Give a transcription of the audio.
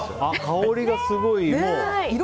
香りがすごい。